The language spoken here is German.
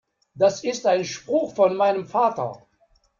Das ist ein Spruch von meinem Vater.